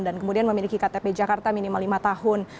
dan kemudian memiliki ktp jakarta minimal lima tahun